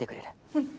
うん。